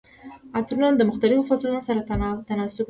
عطرونه د مختلفو فصلونو سره تناسب لري.